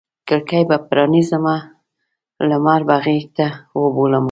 کړکۍ به پرانیزمه لمر به غیږته وبولمه